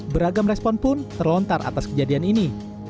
beragam respon pun terlontar atas kejadian ini